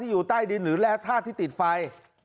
อยู่ใต้ดินหรือแร่ธาตุที่ติดไฟ